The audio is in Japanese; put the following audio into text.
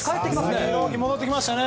希戻ってきましたね。